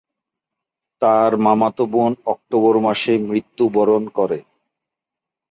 তার মামাতো বোন অক্টোবর মাসে মৃত্যুবরণ করে।